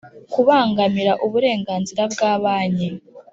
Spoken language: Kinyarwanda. Kubangamira uburenganzira bwa banki